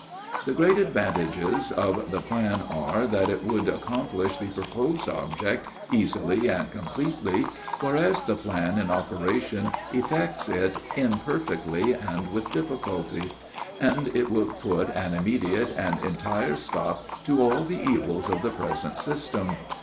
The great advantages of the plan are, that it would accomplish the proposed object, easily and completely, whereas the plan in operation effects it imperfectly and with difficulty; and it would put an immediate and entire stop to all the evils of the present system.